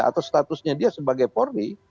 atau statusnya dia sebagai polri